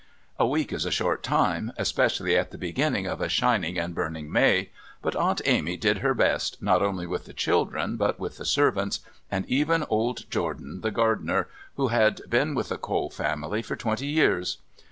A week is a short time, especially at the beginning of a shining and burning May, but Aunt Amy did her best not only with the children but with the servants, and even old Jordan, the gardener, who had been with the Cole family for twenty years.